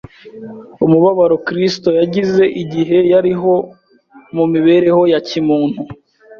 umubabaro Kristo yagize igihe yariho mu mibereho ya kimuntu,